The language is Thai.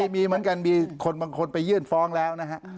มีเหมือนกันมีคนบางคนไปยื่นฟ้องแล้วนะฮะ